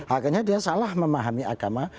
akhirnya dia salah memahami agama